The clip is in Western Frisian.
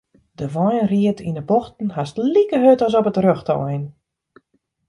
De wein ried yn 'e bochten hast like hurd as op it rjochte ein.